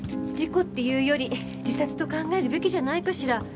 事故っていうより自殺と考えるべきじゃないかしら。